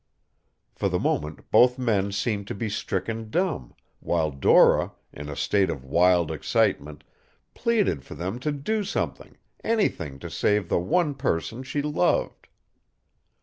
For the moment both men seemed to be stricken dumb, while Dora, in a state of wild excitement, pleaded for them to do something anything to save the one person she loved.